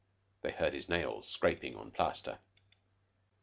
They heard his nails scraping, on plaster.